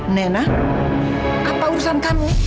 nena apa urusan kamu